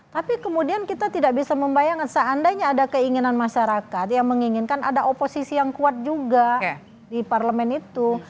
tapi kemudian kita tidak bisa membayangkan seandainya ada keinginan masyarakat yang menginginkan ada oposisi yang kuat juga di parlemen itu